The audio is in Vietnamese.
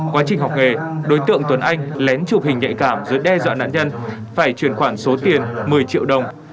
quá trình học nghề đối tượng tuấn anh lén chụp hình nhạy cảm rồi đe dọa nạn nhân phải chuyển khoản số tiền một mươi triệu đồng